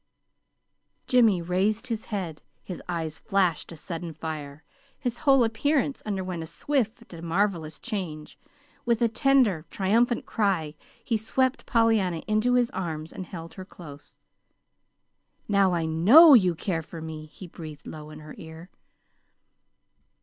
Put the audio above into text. Jimmy raised his head. His eyes flashed a sudden fire. His whole appearance underwent a swift and marvelous change. With a tender, triumphant cry he swept Pollyanna into his arms and held her close. "Now I KNOW you care for me!" he breathed low in her ear.